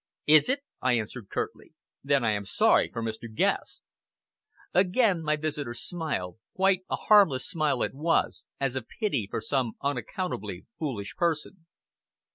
"Is it?" I answered curtly. "Then I am sorry for Mr. Guest!" Again my visitor smiled quite a harmless smile it was, as of pity for some unaccountably foolish person.